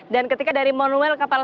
dan ketika dari monumel